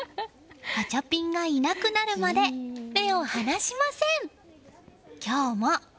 ガチャピンがいなくなるまで目を離しません。